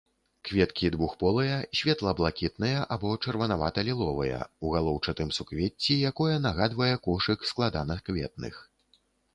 Кветкі двухполыя, светла-блакітныя або чырванавата-ліловыя, у галоўчатым суквецці, якое нагадвае кошык складанакветных.